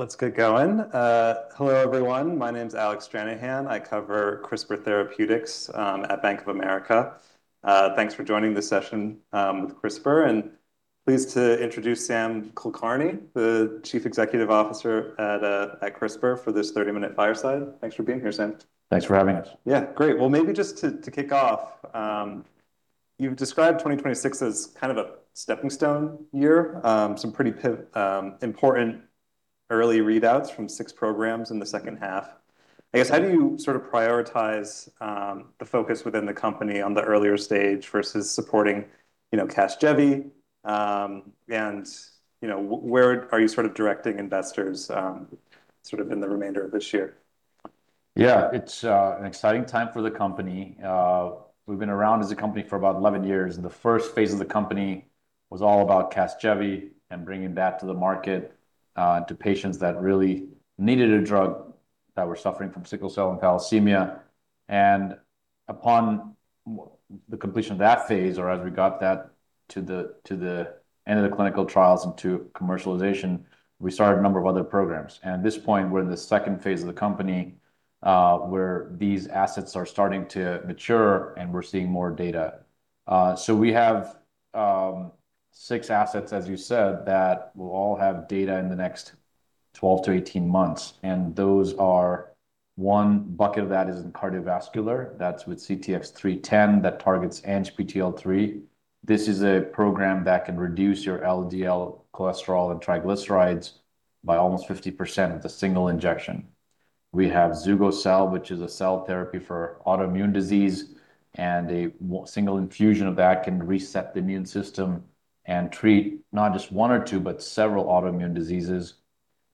Let's get going. Hello, everyone. My name's Alec Stranahan. I cover CRISPR Therapeutics at Bank of America. Thanks for joining this session with CRISPR, and pleased to introduce Sam Kulkarni, the Chief Executive Officer at CRISPR for this 30-minute fireside. Thanks for being here, Sam. Thanks for having us. Yeah, great. Maybe just to kick off, you've described 2026 as kind of a stepping stone year, some important early readouts from six programs in the second half. I guess, how do you sort of prioritize the focus within the company on the earlier stage versus supporting, you know, CASGEVY, and, you know, w-where are you sort of directing investors sort of in the remainder of this year? Yeah. It's an exciting time for the company. We've been around as a company for about 11 years. The first phase of the company was all about CASGEVY and bringing that to the market, to patients that really needed a drug that were suffering from sickle cell and thalassemia. Upon the completion of that phase, or as we got that to the end of the clinical trials and to commercialization, we started a number of other programs. At this point, we're in the second phase of the company, where these assets are starting to mature, and we're seeing more data. We have six assets, as you said, that will all have data in the next 12-18 months, and those are. One bucket of that is in cardiovascular. That's with CTX310 that targets ANGPTL3. This is a program that can reduce your LDL cholesterol and triglycerides by almost 50% with a single injection. We have zugo-cel, which is a cell therapy for autoimmune disease, and a single infusion of that can reset the immune system and treat not just one or two, but several autoimmune diseases.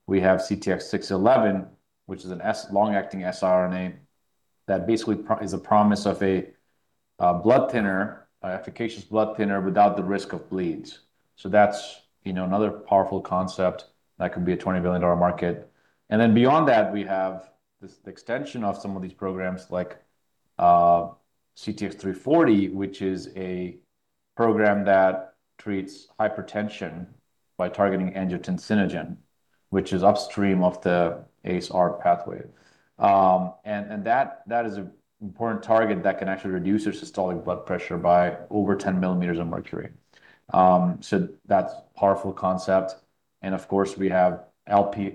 We have CTX611, which is a long-acting siRNA that basically is a promise of a blood thinner, an efficacious blood thinner without the risk of bleeds. That's, you know, another powerful concept that could be a $20 billion market. Beyond that, we have this extension of some of these programs like CTX340, which is a program that treats hypertension by targeting angiotensinogen, which is upstream of the ACE/ARB pathway. That is important target that can actually reduce your systolic blood pressure by over 10 mm of mercury. That's powerful concept. Of course, we have Lp(a),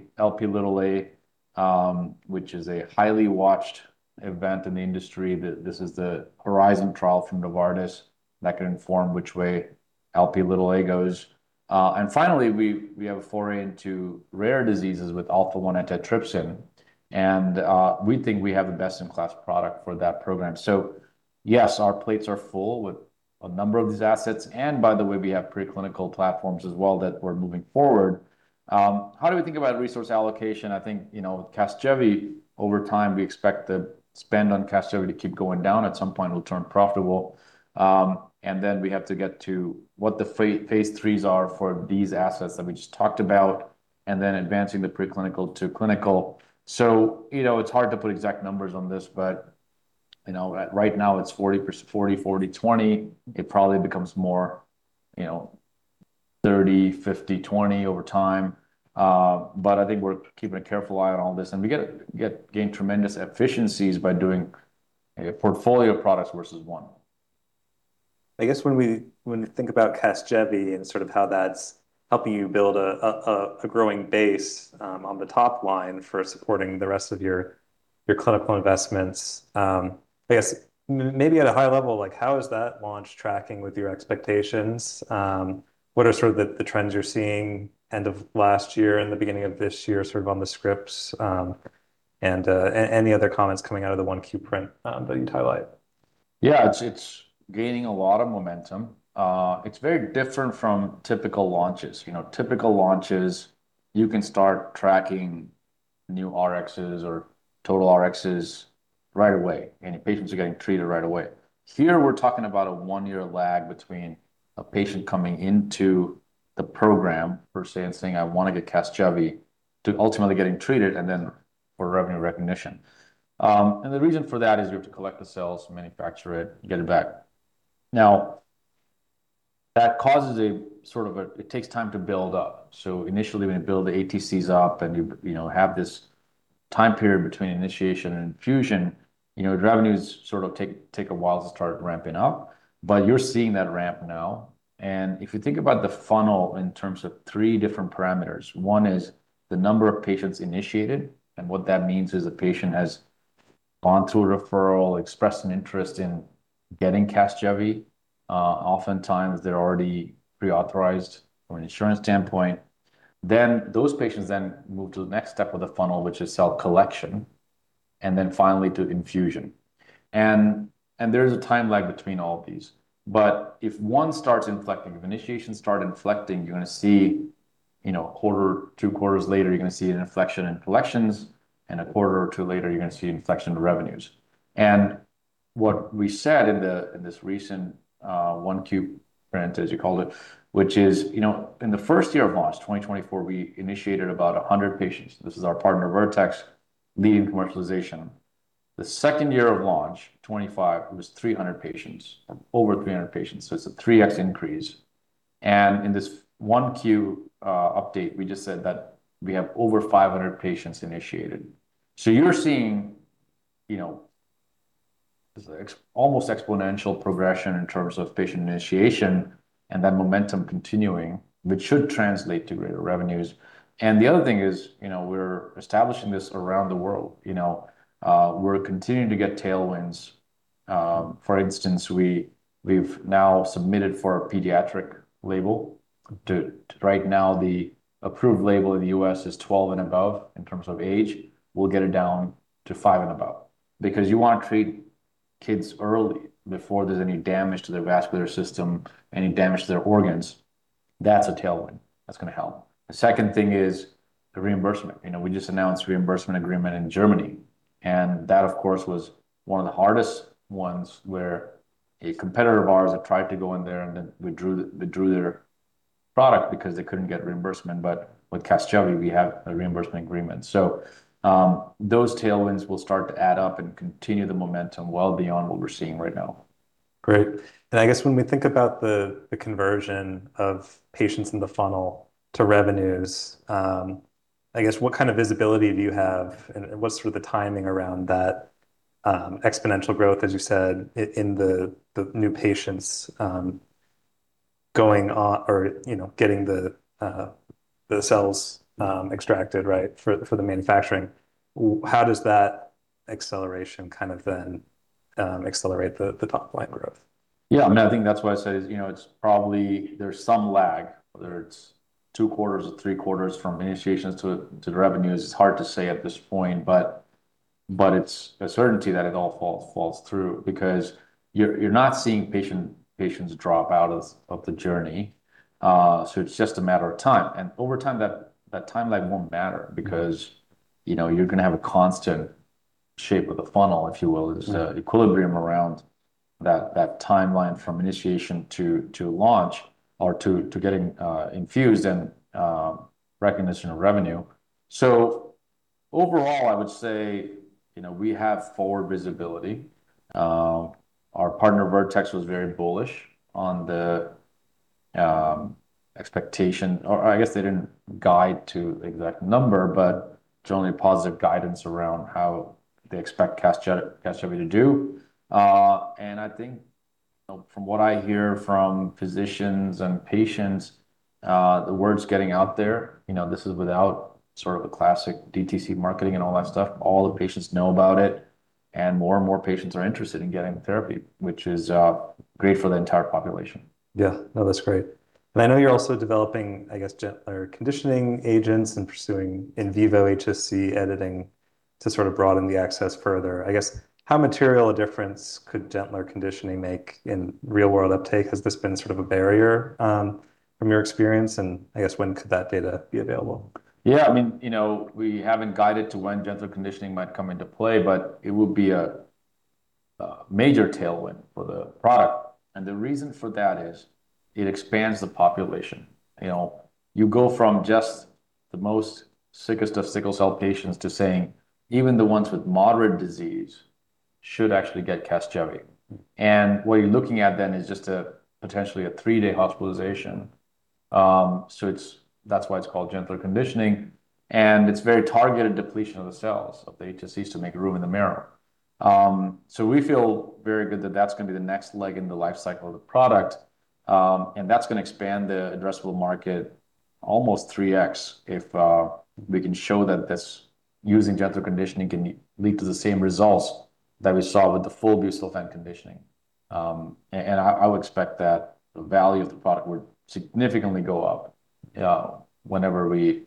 which is a highly watched event in the industry. This is the HORIZON trial from Novartis that can inform which way Lp(a) goes. Finally, we have a foray into rare diseases with alpha-1 antitrypsin, and we think we have the best-in-class product for that program. Yes, our plates are full with a number of these assets, and by the way, we have preclinical platforms as well that we're moving forward. How do we think about resource allocation? I think, you know, with CASGEVY, over time, we expect the spend on CASGEVY to keep going down. At some point, we'll turn profitable. Then we have to get to what the phase III are for these assets that we just talked about, and then advancing the preclinical to clinical. You know, it's hard to put exact numbers on this, but, you know, right now it's 40, 20. It probably becomes more, you know, 30, 50, 20 over time. I think we're keeping a careful eye on all this, and we gain tremendous efficiencies by doing a portfolio of products versus one. I guess when we think about CASGEVY and sort of how that's helping you build a growing base on the top line for supporting the rest of your clinical investments, I guess maybe at a high level, like how is that launch tracking with your expectations? What are sort of the trends you're seeing end of last year and the beginning of this year, sort of on the scripts? Any other comments coming out of the 1Q print that you'd highlight. Yeah. It's gaining a lot of momentum. It's very different from typical launches. You know, typical launches, you can start tracking new Rx's or total Rx's right away, and your patients are getting treated right away. Here, we're talking about a one-year lag between a patient coming into the program, per se, and saying, "I want to get CASGEVY," to ultimately getting treated and then for revenue recognition. The reason for that is you have to collect the cells, manufacture it, get it back. Now, it takes time to build up. Initially, when you build the ATCs up and you know, have this time period between initiation and infusion, you know, the revenues sort of take a while to start ramping up. You're seeing that ramp now. If you think about the funnel in terms of three different parameters, one is the number of patients initiated, and what that means is a patient has gone through a referral, expressed an interest in getting CASGEVY. Oftentimes, they're already pre-authorized from an insurance standpoint. Those patients then move to the next step of the funnel, which is cell collection, and then finally to infusion. There is a time lag between all of these. If one starts inflecting, if initiation start inflecting, you're gonna see, you know, a quarter, two quarters later, you're gonna see an inflection in collections, and a quarter or two later, you're gonna see inflection in revenues. What we said in the in this recent 1Q print, as you called it, which is, you know, in the first year of launch, 2024, we initiated about 100 patients. This is our partner, Vertex, leading commercialization. The second year of launch, 2025, it was 300 patients, over 300 patients, so it's a 3x increase. In this 1Q update, we just said that we have over 500 patients initiated. You're seeing, you know, almost exponential progression in terms of patient initiation and that momentum continuing, which should translate to greater revenues. The other thing is, you know, we're establishing this around the world, you know. We're continuing to get tailwinds. For instance, we've now submitted for a pediatric label. Right now the approved label in the U.S. is 12 and above in terms of age. We'll get it down to five and above because you wanna treat kids early before there's any damage to their vascular system, any damage to their organs. That's a tailwind. That's gonna help. The second thing is the reimbursement. You know, we just announced reimbursement agreement in Germany. That of course, was one of the hardest ones where a competitor of ours had tried to go in there and then withdrew their product because they couldn't get reimbursement. With CASGEVY, we have a reimbursement agreement. Those tailwinds will start to add up and continue the momentum well beyond what we're seeing right now. Great. I guess when we think about the conversion of patients in the funnel to revenues, I guess what kind of visibility do you have and what's sort of the timing around that exponential growth, as you said, in the new patients going on or, you know, getting the cells extracted, right, for the manufacturing? How does that acceleration kind of then accelerate the top line growth? Yeah, I mean, I think that's why I say is, you know, it's probably there's some lag, whether it's two quarters or three quarters from initiations to the revenues. It's hard to say at this point, but it's a certainty that it all falls through because you're not seeing patients drop out of the journey. It's just a matter of time, and over time, that timeline won't matter because, you know, you're gonna have a constant shape of the funnel, if you will. There's a equilibrium around that timeline from initiation to launch or to getting infused and recognition of revenue. Overall, I would say, you know, we have forward visibility. Our partner Vertex was very bullish on the expectation or I guess they didn't guide to exact number, but generally positive guidance around how they expect CASGEVY to do. I think from what I hear from physicians and patients, the words getting out there, you know, this is without sort of a classic DTC marketing and all that stuff. All the patients know about it and more and more patients are interested in getting therapy, which is great for the entire population. Yeah. No, that's great. I know you're also developing, I guess, gentler conditioning agents and pursuing in vivo HSC editing to sort of broaden the access further. I guess how material a difference could gentler conditioning make in real world uptake? Has this been sort of a barrier, from your experience, and I guess when could that data be available? Yeah, I mean, you know, we haven't guided to when gentler conditioning might come into play, but it would be a major tailwind for the product. The reason for that is it expands the population. You know, you go from just the most sickest of sickle cell patients to saying even the ones with moderate disease should actually get CASGEVY. What you're looking at then is just a potentially a three-day hospitalization. It's why it's called gentler conditioning, and it's very targeted depletion of the cells, of the HSCs to make room in the marrow. We feel very good that that's gonna be the next leg in the life cycle of the product. That's gonna expand the addressable market almost 3x if we can show that this using gentler conditioning can lead to the same results that we saw with the full busulfan conditioning. I would expect that the value of the product would significantly go up whenever we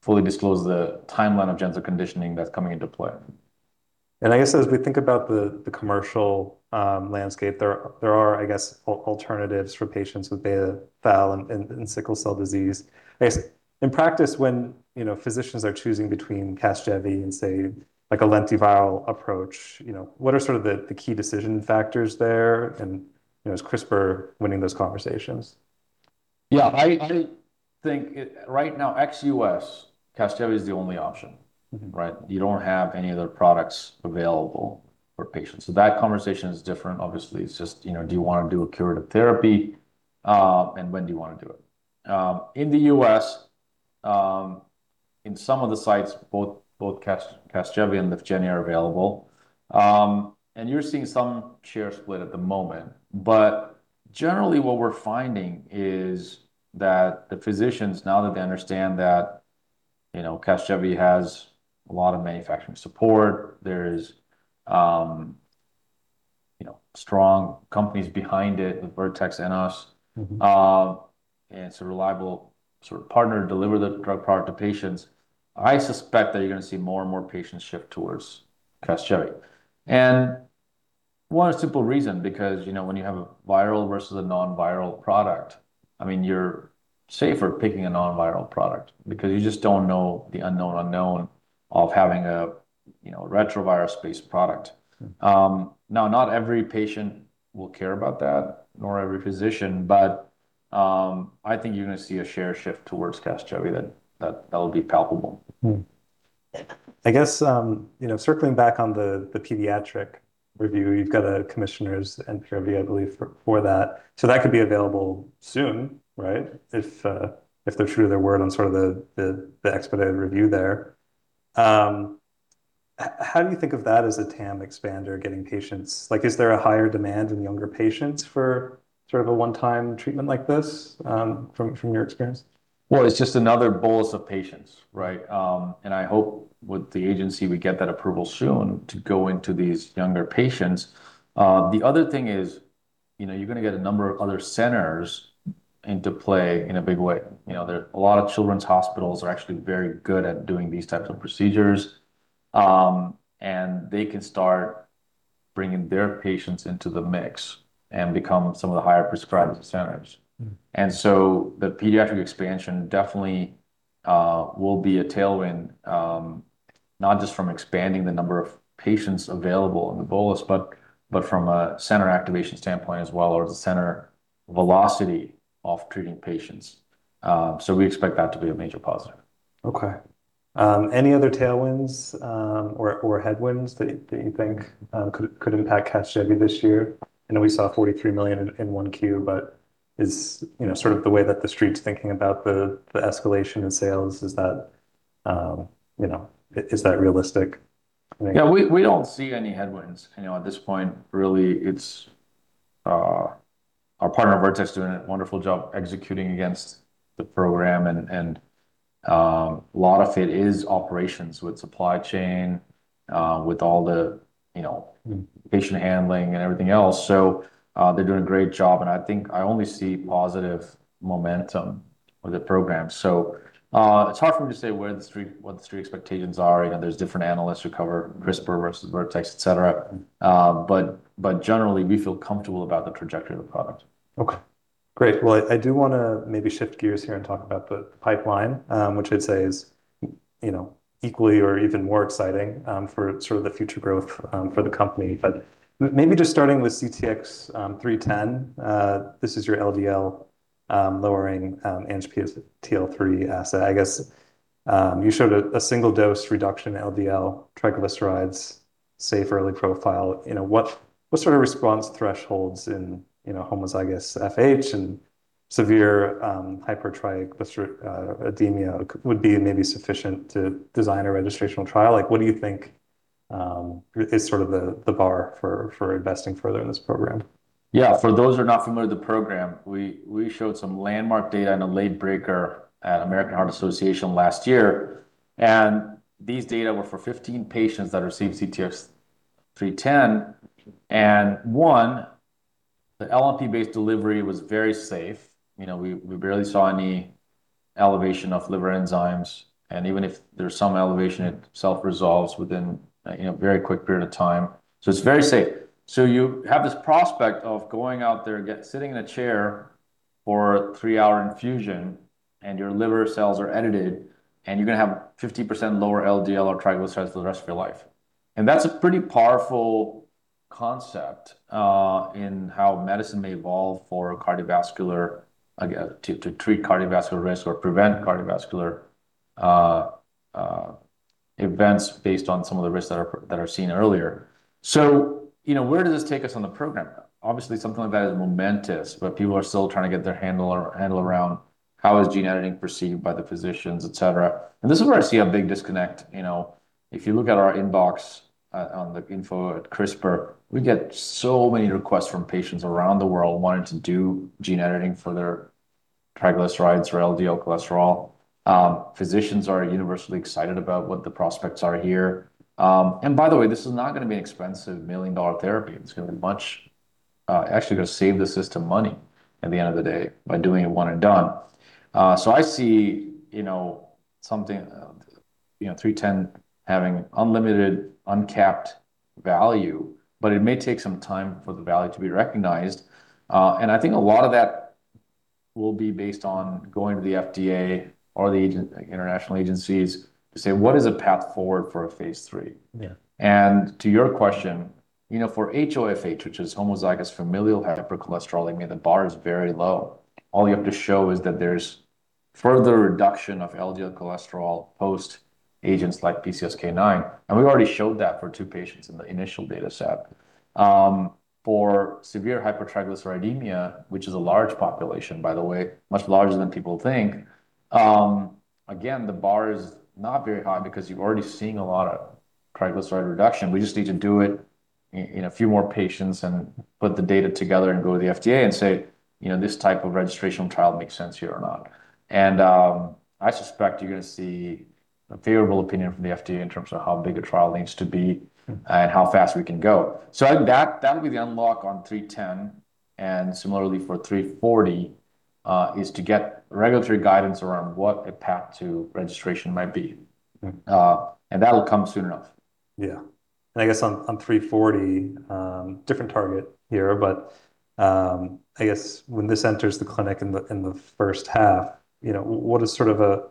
fully disclose the timeline of gentler conditioning that's coming into play. I guess as we think about the commercial landscape there are, I guess, alternatives for patients with beta thal and sickle cell disease. I guess in practice, when, you know, physicians are choosing between CASGEVY and say like a lentiviral approach, you know, what are sort of the key decision factors there and, you know, is CRISPR winning those conversations? I think it right now, ex-U.S., CASGEVY is the only option, right? You don't have any other products available for patients. That conversation is different obviously. It's just, you know, do you wanna do a curative therapy, and when do you want to do it? In the U.S., in some of the sites, both CASGEVY and Lyfgenia are available. You're seeing some share split at the moment. Generally what we're finding is that the physicians, now that they understand that, you know, CASGEVY has a lot of manufacturing support, there's, you know, strong companies behind it with Vertex and us. It's a reliable sort of partner to deliver the drug product to patients, I suspect that you're gonna see more and more patients shift towards CASGEVY. One simple reason, because, you know, when you have a viral versus a non-viral product, I mean, you're safer picking a non-viral product because you just don't know the unknown unknown of having a, you know, retrovirus-based product. Now not every patient will care about that, nor every physician. I think you're gonna see a share shift towards CASGEVY that'll be palpable. I guess, you know, circling back on the pediatric review, you've got a commissioner's CNPV, I believe, for that. That could be available soon, right? If they're true to their word on sort of the expedited review there. How do you think of that as a TAM expander getting patients? Like, is there a higher demand in younger patients for sort of a one-time treatment like this from your experience? Well, it's just another bolus of patients, right? I hope with the agency we get that approval soon to go into these younger patients. The other thing is, you know, you're gonna get a number of other centers into play in a big way. You know, a lot of children's hospitals are actually very good at doing these types of procedures. They can start bringing their patients into the mix and become some of the higher prescribing centers. The pediatric expansion definitely will be a tailwind, not just from expanding the number of patients available in the bolus, but from a center activation standpoint as well, or the center velocity of treating patients. We expect that to be a major positive. Okay. Any other tailwinds or headwinds that you think could impact CASGEVY this year? I know we saw $43 million in 1Q, but is, you know, sort of the way that the street's thinking about the escalation in sales, is that, you know, is that realistic, you think? Yeah, we don't see any headwinds, you know, at this point. Really, it's our partner Vertex doing a wonderful job executing against the program and a lot of it is operations with supply chain, with all the, you know. patient handling and everything else. They're doing a great job, and I think I only see positive momentum with the program. It's hard for me to say what the street expectations are. You know, there's different analysts who cover CRISPR versus Vertex, et cetera. But generally, we feel comfortable about the trajectory of the product. Okay, great. Well, I do wanna maybe shift gears here and talk about the pipeline, which I'd say is, you know, equally or even more exciting, for sort of the future growth, for the company. Maybe just starting with CTX310. This is your LDL lowering ANGPTL3 asset. I guess, you showed a single dose reduction in LDL triglycerides, safe early profile. You know, what sort of response thresholds in, you know, homozygous FH and severe hypertriglyceridemia would be maybe sufficient to design a registrational trial? Like, what do you think, is sort of the bar for investing further in this program? Yeah, for those who are not familiar with the program, we showed some landmark data in a late breaker at American Heart Association last year. These data were for 15 patients that received CTX310. The LNP-based delivery was very safe. You know, we barely saw any elevation of liver enzymes, and even if there's some elevation, it self-resolves within, you know, a very quick period of time. It's very safe. You have this prospect of going out there, sitting in a chair for a three-hour infusion, and your liver cells are edited, and you're gonna have 50% lower LDL or triglycerides for the rest of your life. That's a pretty powerful concept, in how medicine may evolve for cardiovascular, to treat cardiovascular risk or prevent cardiovascular events based on some of the risks that are seen earlier. You know, where does this take us on the program? Obviously, something like that is momentous, but people are still trying to get their handle around how is gene editing perceived by the physicians, et cetera. This is where I see a big disconnect. You know, if you look at our inbox, on the info at CRISPR, we get so many requests from patients around the world wanting to do gene editing for their triglycerides or LDL cholesterol. Physicians are universally excited about what the prospects are here. By the way, this is not gonna be an expensive $1 million therapy. It's gonna actually save the system money at the end of the day by doing it one and done. I see, you know, something, you know, CTX310 having unlimited, uncapped value, but it may take some time for the value to be recognized. I think a lot of that will be based on going to the FDA or international agencies to say, "What is a path forward for a phase III? Yeah. To your question, you know, for HoFH, which is homozygous familial hypercholesterolemia, the bar is very low. All you have to show is that there's further reduction of LDL cholesterol post agents like PCSK9. We've already showed that for two patients in the initial dataset. For severe hypertriglyceridemia, which is a large population by the way, much larger than people think, again, the bar is not very high because you're already seeing a lot of triglyceride reduction. We just need to do it in a few more patients and put the data together and go to the FDA and say, you know, this type of registrational trial makes sense here or not. I suspect you're gonna see a favorable opinion from the FDA in terms of how big a trial needs to be. How fast we can go. That, that'll be the unlock on 310. Similarly for 340, is to get regulatory guidance around what a path to registration might be. That'll come soon enough. Yeah. I guess on CTX340, different target here, but I guess when this enters the clinic in the first half, you know, what is sort of a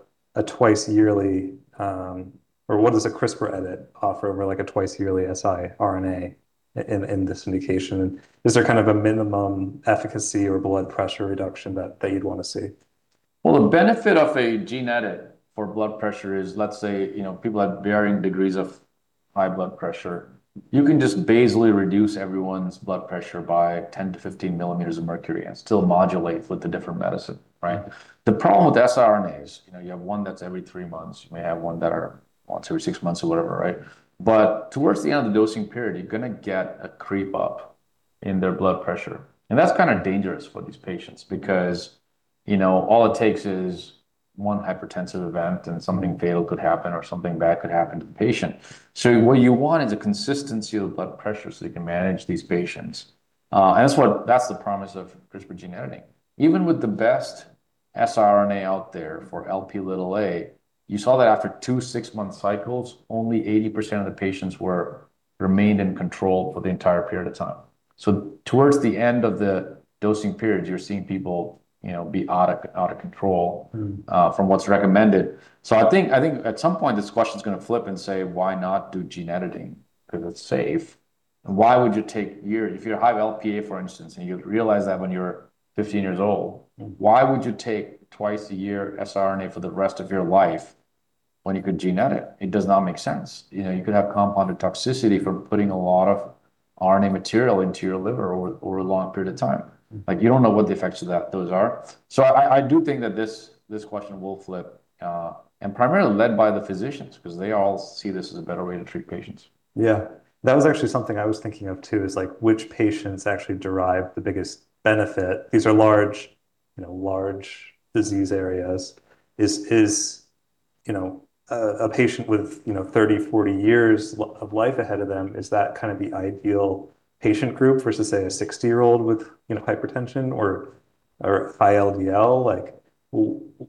2x yearly, or what does a CRISPR edit offer over like a 2x yearly siRNA in this indication? Is there kind of a minimum efficacy or blood pressure reduction that you'd wanna see? Well, the benefit of a gene edit for blood pressure is, let's say, you know, people have varying degrees of high blood pressure. You can just basally reduce everyone's blood pressure by 10 mm-15 mm of mercury and still modulate with the different medicine, right? The problem with siRNAs, you know, you have one that's every three months. You may have one that are once every six months or whatever, right? Towards the end of the dosing period, you're going to get a creep up in their blood pressure, and that's kind of dangerous for these patients because, you know, all it takes is one hypertensive event and something fatal could happen or something bad could happen to the patient. What you want is a consistency of the blood pressure so you can manage these patients. That's the promise of CRISPR gene editing. Even with the best siRNA out there for Lp(a), you saw that after two six-month cycles, only 80% of the patients remained in control for the entire period of time. Towards the end of the dosing periods, you're seeing people, you know, be out of control from what's recommended. I think at some point this question's gonna flip and say, "Why not do gene editing?" 'Cause it's safe. Why would you take If you're high Lp(a), for instance, and you realize that when you're 15 years old. Why would you take twice a year siRNA for the rest of your life when you could gene edit? It does not make sense. You know, you could have compounded toxicity from putting a lot of RNA material into your liver over a long period of time. Like, you don't know what the effects of those are. I do think that this question will flip and primarily led by the physicians 'cause they all see this as a better way to treat patients. Yeah. That was actually something I was thinking of too, is like which patients actually derive the biggest benefit. These are large, you know, large disease areas. Is, you know, a patient with, you know, 30, 40 years of life ahead of them, is that kind of the ideal patient group versus, say, a 60-year-old with, you know, hypertension or high LDL? Like,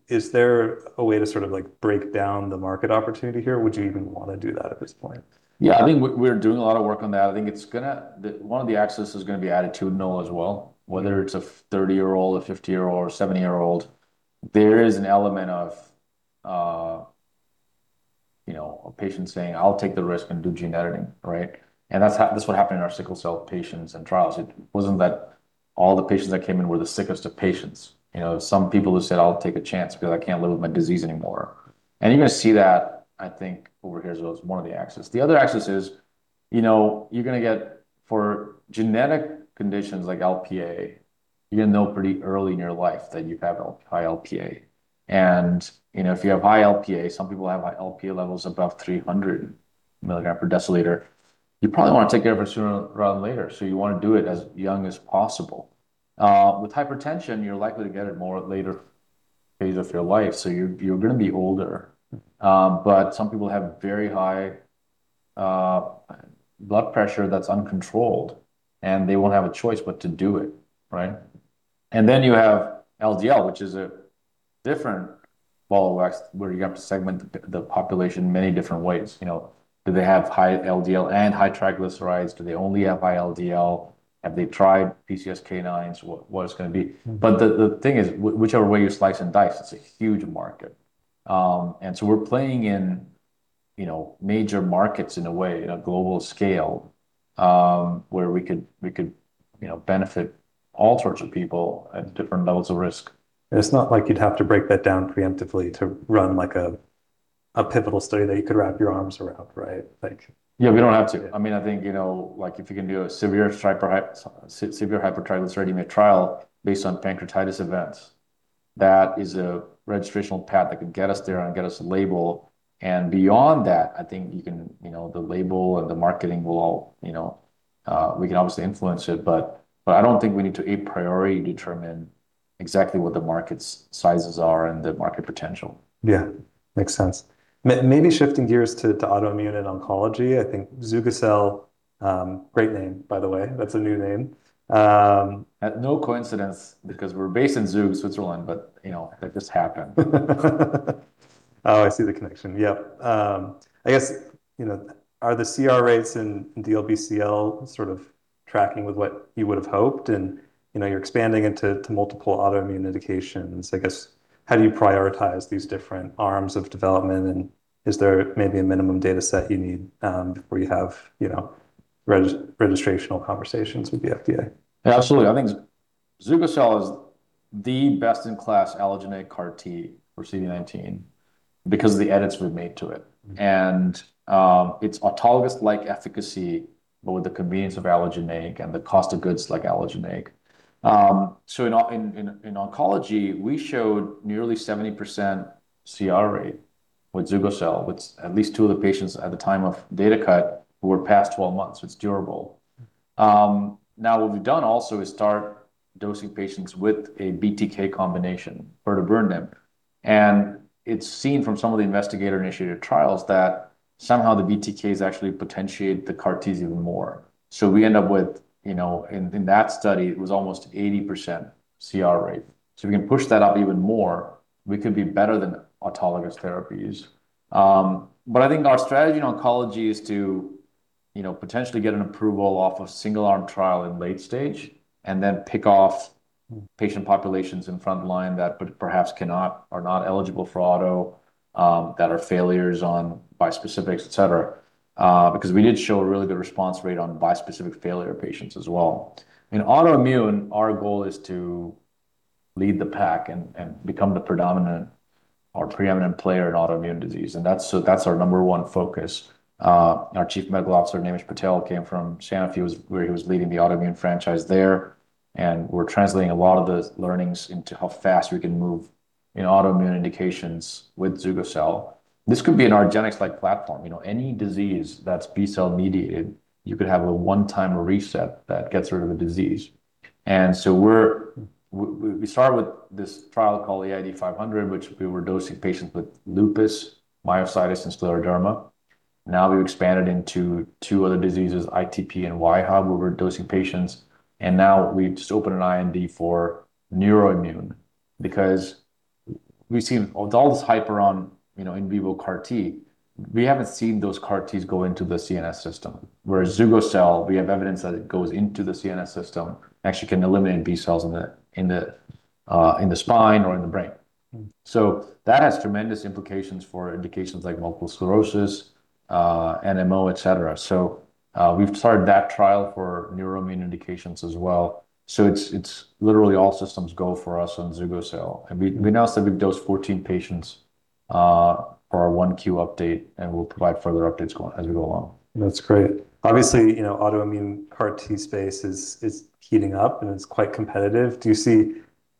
is there a way to sort of like break down the market opportunity here? Would you even wanna do that at this point? Yeah, I think we're doing a lot of work on that. I think one of the axes is gonna be attitudinal as well. Whether it's a 30-year-old, a 50-year-old, or a 70-year-old, there is an element of, you know, a patient saying, "I'll take the risk and do gene editing," right? That's what happened in our sickle cell patients and trials. It wasn't that all the patients that came in were the sickest of patients. You know, some people just said, "I'll take a chance because I can't live with my disease anymore." You're gonna see that, I think, over here as well as one of the axes. The other axis is, you know, you're gonna get for genetic conditions like Lp(a), you're gonna know pretty early in your life that you have high Lp(a). You know, if you have high Lp(a), some people have high Lp(a) levels above 300mg/dL, you probably wanna take care of it sooner rather than later. You wanna do it as young as possible. With hypertension, you're likely to get it more at later phase of your life, you're gonna be older. Some people have very high blood pressure that's uncontrolled, and they won't have a choice but to do it, right? You have LDL, which is a different ball of wax where you have to segment the population many different ways. You know, do they have high LDL and high triglycerides? Do they only have high LDL? Have they tried PCSK9s? What it's gonna be. The thing is whichever way you slice and dice, it's a huge market. We're playing in, you know, major markets in a way, in a global scale, where we could, you know, benefit all sorts of people at different levels of risk. It's not like you'd have to break that down preemptively to run like a pivotal study that you could wrap your arms around, right? Yeah, we don't have to. I mean, I think, you know, like if you can do a severe hypertriglyceridemia trial based on pancreatitis events, that is a registrational path that could get us there and get us a label. Beyond that, I think you can, you know, the label and the marketing will all, you know, we can obviously influence it, but I don't think we need to a priori determine exactly what the market's sizes are and the market potential. Yeah. Makes sense. maybe shifting gears to autoimmune and oncology, I think zugo-cel, great name by the way. That's a new name. At no coincidence because we're based in Zug, Switzerland, but, you know, it just happened. Oh, I see the connection. Yep. I guess, you know, are the CR rates in DLBCL sort of tracking with what you would have hoped? You know, you're expanding into multiple autoimmune indications. I guess, how do you prioritize these different arms of development, and is there maybe a minimum data set you need, before you have, you know, registrational conversations with the FDA? Absolutely. I think zugo-cel is the best in class allogeneic CAR T for CD19 because of the edits we've made to it. It's autologous-like efficacy, but with the convenience of allogeneic and the cost of goods like allogeneic. In oncology, we showed nearly 70% CR rate with zugo-cel, with at least two of the patients at the time of data cut who were past 12 months. It's durable. Now what we've done also is start dosing patients with a BTK combination, pirtobrutinib. It's seen from some of the investigator-initiated trials that somehow the BTKs actually potentiate the CAR Ts even more. We end up with, you know, in that study it was almost 80% CR rate. We can push that up even more. We could be better than autologous therapies. I think our strategy in oncology is to, you know, potentially get an approval off a single arm trial in late stage and then pick off patient populations in front line that perhaps cannot, are not eligible for auto, that are failures on bispecifics, et cetera. Because we did show a really good response rate on bispecific failure patients as well. In autoimmune, our goal is to lead the pack and become the predominant or preeminent player in autoimmune disease, so that's our number one focus. Our chief medical officer, Naimish Patel, came from Sanofi, where he was leading the autoimmune franchise there, and we're translating a lot of those learnings into how fast we can move in autoimmune indications with zugo-cel. This could be an argenx-like platform. You know, any disease that's B-cell mediated, you could have a one-time reset that gets rid of a disease. We start with this trial called AID-500, which we were dosing patients with lupus, myositis, and scleroderma. Now we've expanded into two other diseases, ITP and wAIHA, where we're dosing patients. We've just opened an IND for neuroimmune because we've seen with all this hype around, you know, in vivo CAR T, we haven't seen those CAR Ts go into the CNS system. Whereas zugo-cel, we have evidence that it goes into the CNS system, actually can eliminate B cells in the spine or in the brain. That has tremendous implications for indications like multiple sclerosis, NMO, et cetera. We've started that trial for neuroimmune indications as well. It's literally all systems go for us on zugo-cel. We announced that we've dosed 14 patients for our 1Q update, and we'll provide further updates as we go along. That's great. Obviously, you know, autoimmune CAR T space is heating up, and it's quite competitive.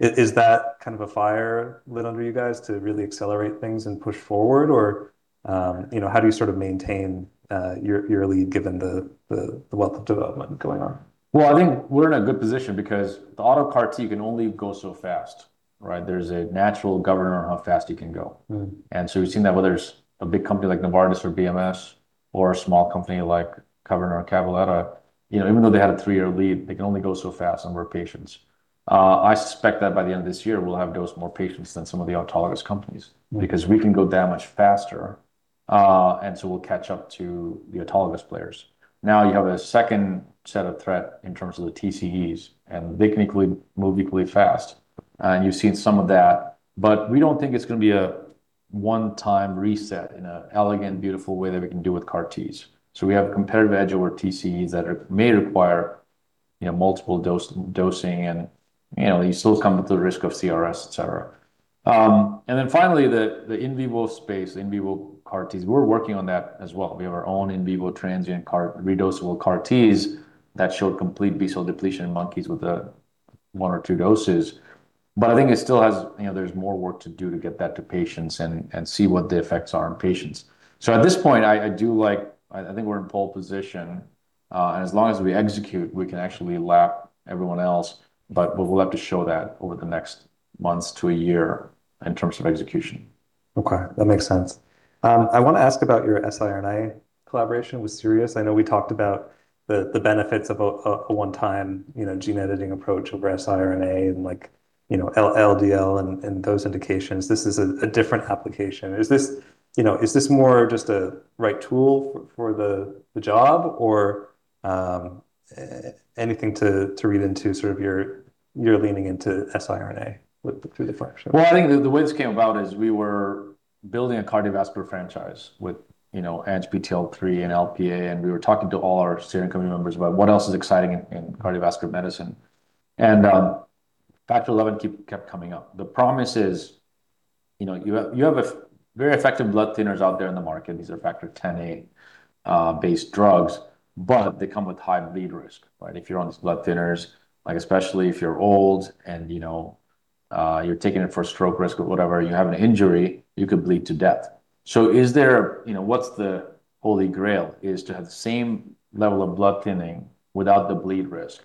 Is that kind of a fire lit under you guys to really accelerate things and push forward? You know, how do you sort of maintain your lead given the wealth of development going on? I think we're in a good position because the auto CAR T can only go so fast, right? There's a natural governor on how fast you can go. We've seen that whether it's a big company like Novartis or BMS or a small company like Kyverna or Cabaletta, you know, even though they had a three-year lead, they can only go so fast number of patients. I suspect that by the end of this year, we'll have dosed more patients than some of the autologous companies because we can go that much faster, and so we'll catch up to the autologous players. Now you have a second set of threat in terms of the TCEs, and they can move equally fast, and you've seen some of that. We don't think it's gonna be a one-time reset in a elegant, beautiful way that we can do with CAR Ts. We have a competitive edge over TCEs that may require, you know, multiple dosing and, you know, you still come with the risk of CRS, et cetera. Finally, the in vivo space, in vivo CAR Ts, we're working on that as well. We have our own in vivo transient redosable CAR Ts that showed complete B-cell depletion in monkeys with one or two doses. I think it still has, you know, there's more work to do to get that to patients and see what the effects are on patients. At this point, I think we're in pole position, and as long as we execute, we can actually lap everyone else. We'll have to show that over the next months to a year in terms of execution. Okay. That makes sense. I wanna ask about your siRNA collaboration with Sirius. I know we talked about the benefits of a one-time, you know, gene editing approach over siRNA and like, you know, LDL and those indications. This is a different application. Is this, you know, is this more just a right tool for the job? Or anything to read into sort of your leaning into siRNA through the fraction? Well, I think the way this came about is we were building a cardiovascular franchise with, you know, ANGPTL3 and Lp(a), we were talking to all our senior company members about what else is exciting in cardiovascular medicine. Factor XI kept coming up. The promise is, you know, you have very effective blood thinners out there in the market. These are Factor Xa based drugs, they come with high bleed risk, right? If you're on these blood thinners, like especially if you're old and, you know, you're taking it for stroke risk or whatever, you have an injury, you could bleed to death. You know, what's the holy grail is to have the same level of blood thinning without the bleed risk.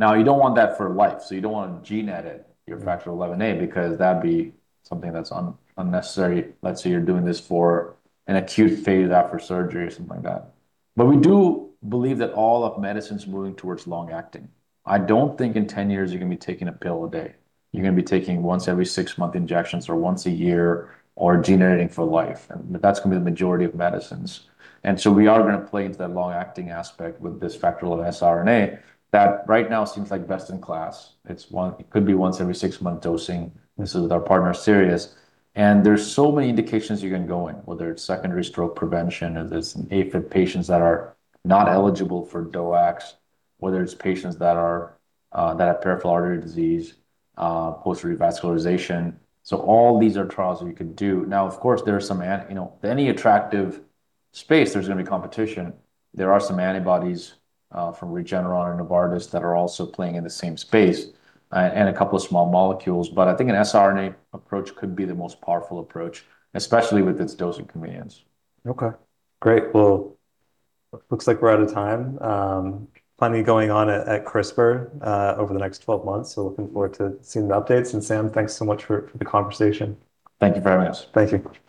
You don't want that for life, so you don't wanna gene edit your Factor XIa, because that'd be something that's unnecessary. Let's say you're doing this for an acute phase after surgery or something like that. We do believe that all of medicine's moving towards long-acting. I don't think in 10 years you're gonna be taking a pill a day. You're gonna be taking once every six-month injections or once a year or gene editing for life, and that's gonna be the majority of medicines. We are gonna play into that long-acting aspect with this factor of siRNA that right now seems like best in class. It's one, it could be once every six-month dosing. This is with our partner Sirius. There's so many indications you can go in, whether it's secondary stroke prevention, whether it's AFib patients that are not eligible for DOACs, whether it's patients that have peripheral artery disease, post revascularization. All these are trials we could do. Of course, you know, any attractive space, there's gonna be competition. There are some antibodies from Regeneron or Novartis that are also playing in the same space, and a couple of small molecules. I think an siRNA approach could be the most powerful approach, especially with its dosing convenience. Okay, great. Well, looks like we're out of time. Plenty going on at CRISPR Therapeutics over the next 12 months, looking forward to seeing the updates. Sam, thanks so much for the conversation. Thank you very much. Thank you.